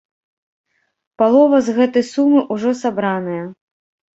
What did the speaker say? Палова з гэтай сумы ўжо сабраная.